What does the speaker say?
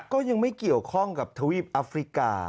ก็ยังไม่เกี่ยวข้องกับทวีปอัฟริกา